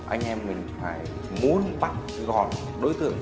anh em mình phải muốn bắt gọn đối tượng